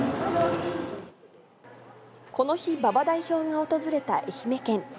この日、馬場代表が訪れた愛媛県。